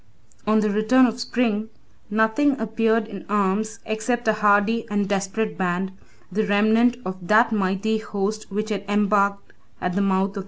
On the return of spring, nothing appeared in arms except a hardy and desperate band, the remnant of that mighty host which had embarked at the mouth of the Niester.